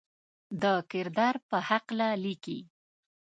د کردار پۀ حقله ليکي: